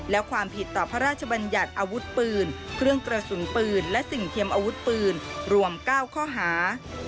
และความผิดต่อพระราชบัญญัติอาวุธปืนเครื่องกระสุนปืนและสิ่งเทียมอาวุธปืนรวม๙ข้อหา